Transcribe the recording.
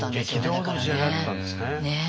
激動の時代だったんですね。